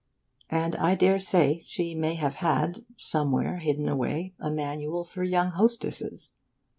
And I daresay she may have had, somewhere hidden away, a manual for young hostesses.